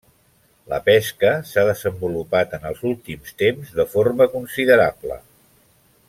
La pesca s'ha desenvolupat en els últims temps de forma considerable.